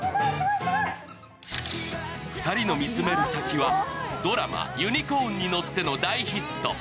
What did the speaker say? ２人の見つめる先はドラマ「ユニコーンに乗って」の大ヒット。